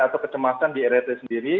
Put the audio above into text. atau kecemasan di rrt sendiri